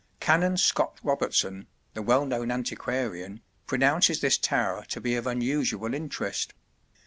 Canon Scott Robertson, the well known antiquarian, pronounces this tower to be of unusual interest.